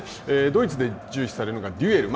ドイツで重視されるのがデュエル。